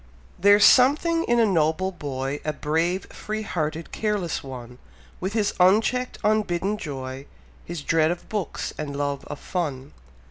There's something in a noble boy, A brave, free hearted, careless one; With his uncheck'd, unbidden joy, His dread of books and love of fun.